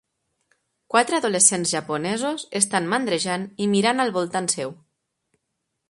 Quatre adolescents japonesos estan mandrejant i mirant al voltant seu.